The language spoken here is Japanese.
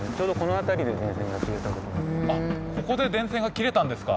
ここで電線が切れたんですか？